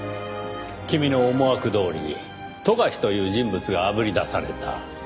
君の思惑どおりに冨樫という人物があぶり出された。